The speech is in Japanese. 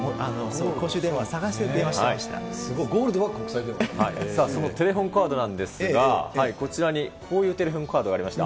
それでゴールドの公衆電話探してすごい、ゴールドは国際電話そのテレホンカードなんですが、こちらにこういうテレホンカードがありました。